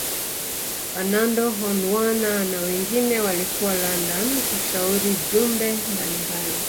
Fernando Honwana na wengine walikuwa London kushauri jumbe mbali mbali